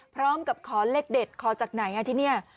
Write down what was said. พร้อมกับขอเลขเด็ดขอจากไหนที่นี่